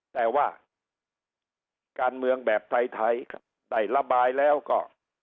แต่ว่าการเมืองแบบไทยได้ระบายแล้วก็